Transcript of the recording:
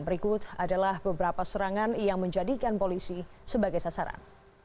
berikut adalah beberapa serangan yang menjadikan polisi sebagai sasaran